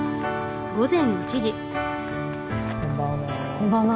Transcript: こんばんは。